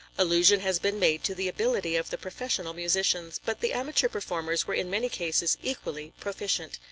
Allusion has been made to the ability of the professional musicians, but the amateur performers were in many cases equally proficient.